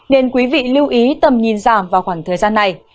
nên quý vị lưu ý tầm nhìn giảm vào khoảng thời gian này